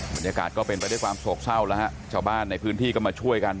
บรรยากาศก็เป็นไปด้วยความโศกเศร้าแล้วฮะชาวบ้านในพื้นที่ก็มาช่วยกัน